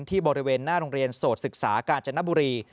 บริเวณหน้าโรงเรียนโสดศึกษากาญจนบุรี